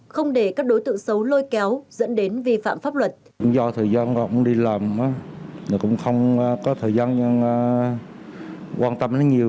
không để các đối tượng xấu lôi kéo dẫn đến vi phạm pháp luật